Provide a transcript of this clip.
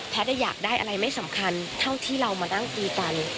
แพทย์จะอยากได้อะไรไม่สำคัญเท่าที่เรามานั่งตีกัน